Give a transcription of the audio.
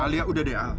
alia udah deh al